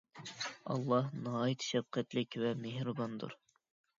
ئاللاھ ناھايتى شەپقەتلىك ۋە مېھرىباندۇر